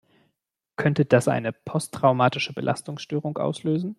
Könnte das eine posttraumatische Belastungsstörung auslösen?